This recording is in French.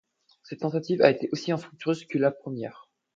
Cette tentative a été aussi infructueuse que la première.